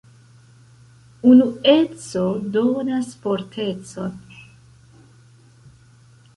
Unueco donas fortecon.